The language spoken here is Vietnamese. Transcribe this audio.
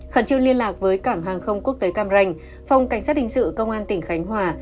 khẩn trương liên lạc với cảng hàng không quốc tế cam ranh phòng cảnh sát hình sự công an tỉnh khánh hòa